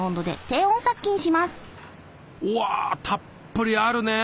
うわたっぷりあるね。